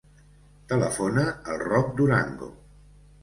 Telefona al Roc Durango.